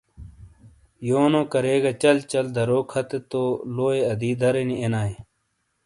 یونو کریگا چَل چَل دَرو کھتے تو لوئیے اَدی درینی اینایئے۔